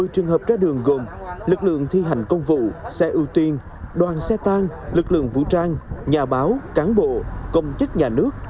một mươi trường hợp ra đường gồm lực lượng thi hành công vụ xe ưu tiên đoàn xe tan lực lượng vũ trang nhà báo cán bộ công chức nhà nước